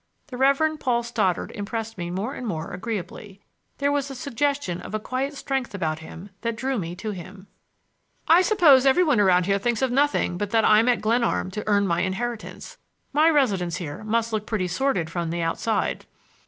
The Reverend Paul Stoddard impressed me more and more agreeably. There was a suggestion of a quiet strength about him that drew me to him. "I suppose every one around here thinks of nothing but that I'm at Glenarm to earn my inheritance. My residence here must look pretty sordid from the outside."